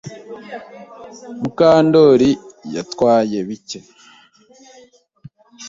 Mukandori yatwaye bike.